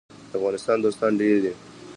د افغانستان دوستان ډیر دي